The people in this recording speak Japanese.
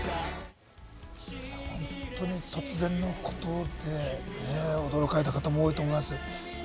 本当に突然のことで、驚かれた方も多いと思います。